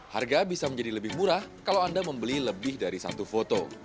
harga bisa menjadi lebih murah kalau anda membeli lebih dari satu foto